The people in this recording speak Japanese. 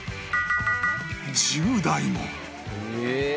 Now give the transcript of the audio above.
１０台も